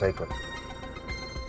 lagi pula kamu gak usah ikut